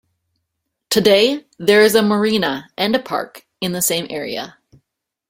Today there is a marina and a park in the same area.